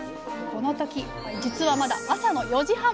この時じつはまだ朝の４時半。